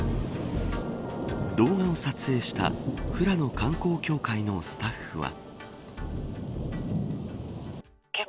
動画を撮影したふらの観光協会のスタッフは。